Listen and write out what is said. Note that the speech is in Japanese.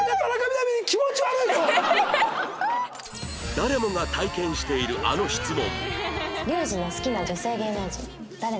誰もが体験しているあの質問